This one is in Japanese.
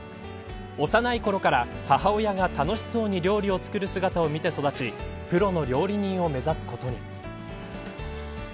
幼いころから母親が楽しそうに料理を作る姿を見て育ちプロの料理人を目指すことに。